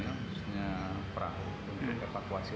seharusnya perahu untuk evakuasi